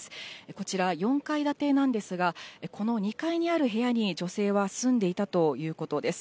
こちら、４階建てなんですが、この２階にある部屋に女性は住んでいたということです。